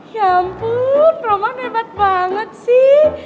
ya ampun romo hebat banget sih